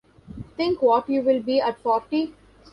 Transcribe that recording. Think what you'll be at forty?